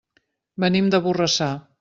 Venim de Borrassà.